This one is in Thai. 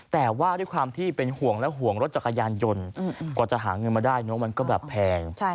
แต่ว่าด้วยความที่เป็นห่วงและห่วงรถจักรยานยนต์กว่าจะหาเงินมาได้เนอะมันก็แบบแพง